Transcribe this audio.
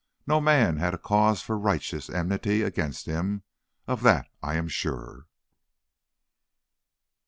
No man had a cause for righteous enmity against him, of that I'm sure!"